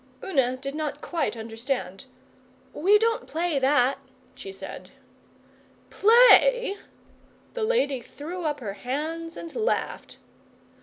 Una did not quite understand. 'We don't play that,' she said. 'Play?' The lady threw up her hands and laughed.